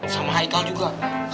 sama haikal juga